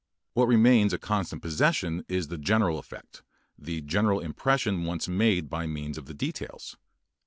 What remains a constant possession is the general effect, the general impression once made by means of the details.